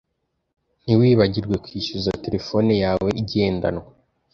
Ntiwibagirwe kwishyuza terefone yawe igendanwa